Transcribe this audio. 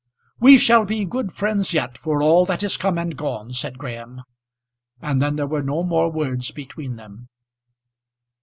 "We shall be good friends yet, for all that is come and gone," said Graham; and then there were no more words between them.